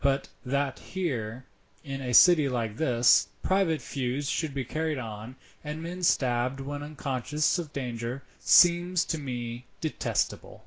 But that here, in a city like this, private feuds should be carried on, and men stabbed when unconscious of danger, seems to me detestable."